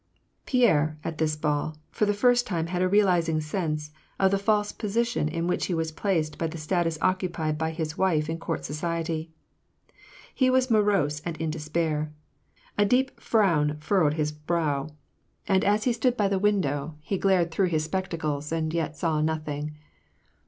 Pierre, at this ball, for the first time had a realizing sense of the false position in which he was placed by the status occupied by his wife in ctourt society. He was morose, and in despair. A deep frown furrowed his brow; and as he stoo<l VOL. 2, 14, 210 WAR AND PEACE. by the window, he glared through his spectacles, and yet saw nothing.